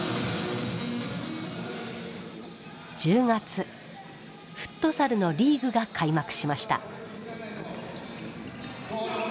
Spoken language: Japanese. １０月フットサルのリーグが開幕しました。